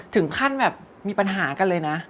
ถึงขั้นแบบมีปัญหากันเลยนะ